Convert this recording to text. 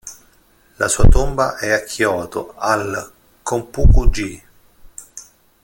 La sua tomba è a Kyoto, al "Konpuku-ji".